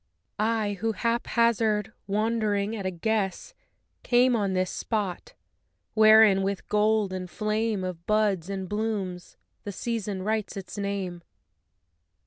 I who haphazard, wandering at a guess, Came on this spot, wherein with gold and flame Of buds and blooms the Season writes its name.